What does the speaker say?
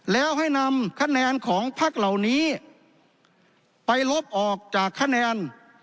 แล้วให้นำคะแนนของพักเหล่านี้ไปลบออกจากคะแนน